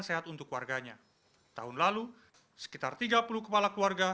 sehat untuk warganya tahun lalu sekitar tiga puluh kepala keluarga